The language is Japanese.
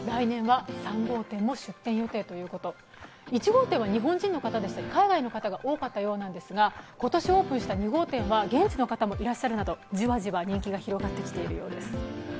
１号店は日本人の方でしたり、海外の方が多かったようですが、今年オープンした２号店は現地の方もいらっしゃるなどじわじわ人気が広がってきているようです。